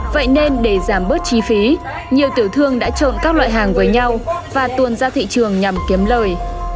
vậy nên để giảm bớt chi phí nhiều tiểu thương đã trộn các loại hàng với nhau và tuồn ra thị trường nhằm kiếm lời